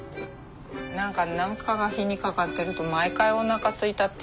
何か何かが火にかかってると毎回おなかすいたって言ってしまう。